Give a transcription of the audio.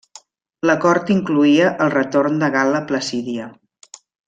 L'acord incloïa el retorn de Gal·la Placídia.